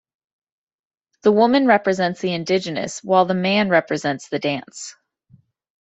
The woman represents the indigenous while the man represents the dance.